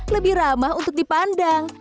lebih ramah untuk dipandang